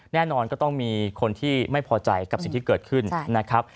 แน่นอนก็ต้องมีคนที่ไม่พอใจกับสิ่งที่เกิดขึ้นนะครับ